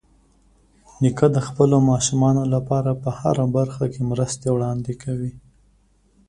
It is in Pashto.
نیکه د خپلو ماشومانو لپاره په هره برخه کې مرستې وړاندې کوي.